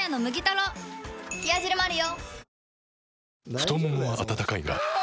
太ももは温かいがあ！